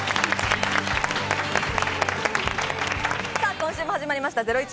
今週も始まりました『ゼロイチ』。